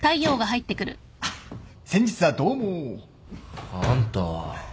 先日はどうも。あんたは。